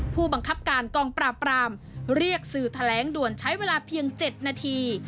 ผู้บังคับการกองปราบรามเรียกสื่อแถลงด่วนใช้เวลาเพียง๗นาที